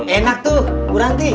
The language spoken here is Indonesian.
enak tuh berhenti